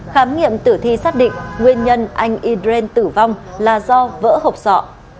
khám nghiệm tử thi xác định nguyên nhân anh idren tử vong là do vỡ hộp sọ